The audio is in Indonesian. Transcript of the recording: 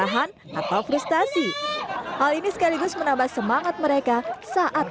yang seolah menunjukkan kemarahan atau frustasi hal ini sekaligus menambah semangat mereka saat